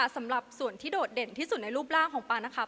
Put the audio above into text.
สำหรับส่วนที่โดดเด่นที่สุดในรูปร่างของปลานะคะ